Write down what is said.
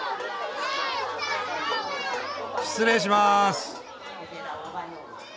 失礼します。